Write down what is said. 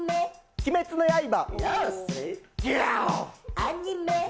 「鬼滅の刃」。